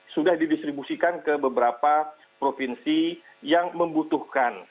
sudah didistribusikan ke beberapa provinsi yang membutuhkan